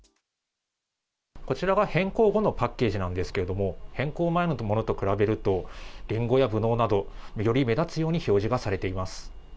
こちらが変更後のパッケージなんですけれども変更前のものと比べるとリンゴやブドウなどより目立つように表示がされています。